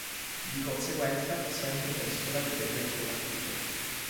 Di conseguenza si è anche dimesso da Leader del suo partito.